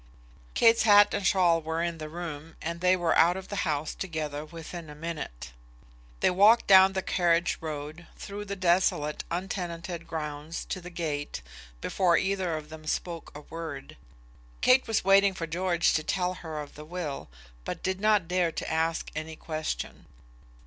Kate's hat and shawl were in the room, and they were out of the house together within a minute. They walked down the carriage road, through the desolate, untenanted grounds, to the gate, before either of them spoke a word. Kate was waiting for George to tell her of the will, but did not dare to ask any question.